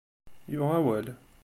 Yuɣ awal.